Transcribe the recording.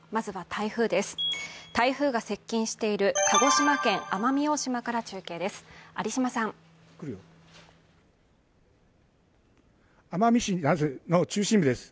台風が接近している鹿児島県奄美大島から中継です。